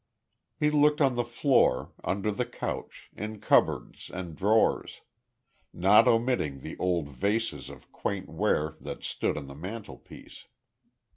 He looked on the floor, under the couch, in cupboards, and drawers; not omitting the old vases of quaint ware that stood on the mantelpiece.